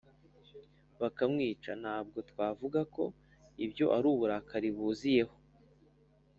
bakamwica, ntabwo twavuga ko ibyo ari uburakari buziyeho.